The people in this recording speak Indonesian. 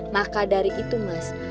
maka dari itu mas